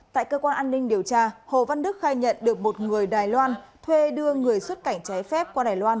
tại cơ quan an ninh điều tra hồ văn đức khai nhận được một người đài loan thuê đưa người xuất cảnh trái phép qua đài loan